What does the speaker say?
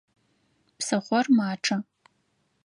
Псыхъор мачъэ.